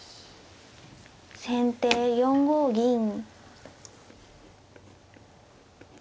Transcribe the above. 先手４五銀。